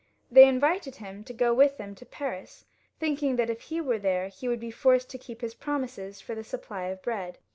They invited him to go with them to Paris, thinking that if he were there he would be forced to keep his promises for the supply of bread.